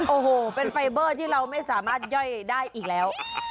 โอ้โหเป็นไฟเบอร์ที่เราไม่สามารถย่อยได้อีกแล้ว